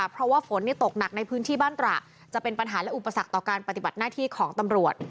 เพราะว่าฝนตกหนักในพื้นที่บ้านตระจะเป็นปัญหาและอุปสรรคต่อการปฏิบัติหน้าที่ของตำรวจ